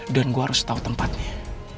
dan saya harus tau tempatnya